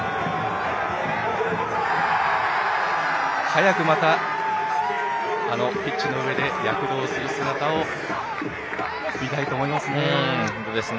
早く、またピッチの上で躍動する姿を見たいと思います。